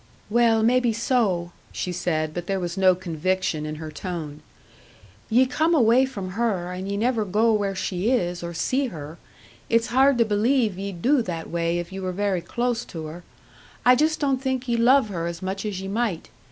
"Well, maybe so," she said, but there was no conviction in her tone. "Ye come away from her, and ye never go where she is or see her it's hard to believe ye'd do that way if ye were very close to her. I just don't think ye love her as much as ye might.